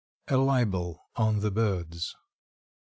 A LIBEL ON THE BIRDS.